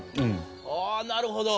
ああなるほど。